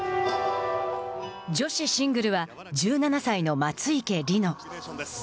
女子シングルは１７歳の松生理乃。